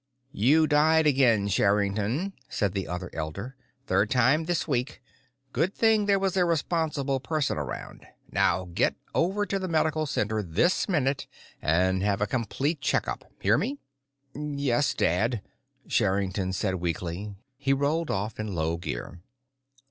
"You died again, Sherrington," said the other elder. "Third time this week—good thing there was a responsible person around. Now get over to the medical center this minute and have a complete checkup. Hear me?" "Yes, Dad," Sherrington said weakly. He rolled off in low gear.